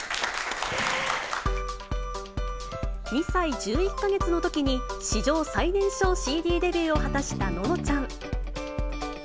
２歳１１か月のときに、史上最年少ＣＤデビューを果たしたののちゃん。